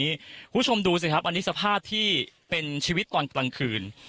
คุณผู้ชมดูสิครับอันนี้สภาพที่เป็นชีวิตตอนกลางคืน